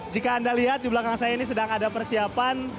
jika anda lihat di belakang saya ini sedang ada persiapan